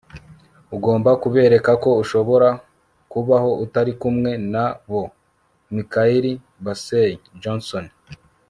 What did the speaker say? ugomba kubereka ko ushobora kubaho utari kumwe nabo - michael bassey johnson